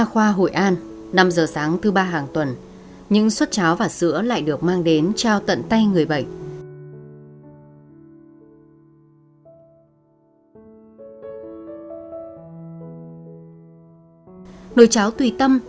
hãy đăng ký kênh để ủng hộ kênh của chúng mình nhé